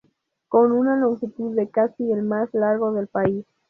Con una longitud de casi es el más largo del país.